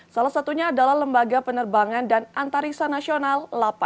salah satunya adalah lembaga penerbangan dan antariksa nasional delapan